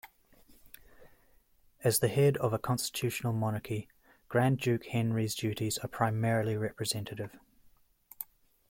As the head of a constitutional monarchy, Grand Duke Henri's duties are primarily representative.